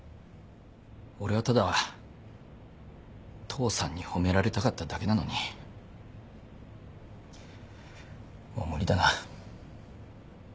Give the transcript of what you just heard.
俺はただ父さんに褒められたかっただけなのにもう無理だな。